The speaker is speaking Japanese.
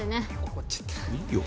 怒っちゃった。